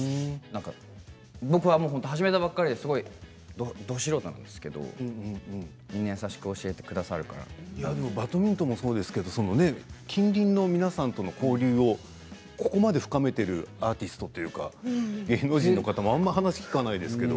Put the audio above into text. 僕は始めたばかりでど素人なんですけどバドミントンもそうですけど近隣の皆さんとの交流をここまで深めているアーティストというか芸能人の方もあまり話を聞かないですけど。